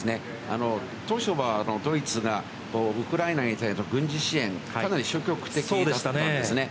当初はドイツがウクライナへの軍事支援、消極的だったんですよね。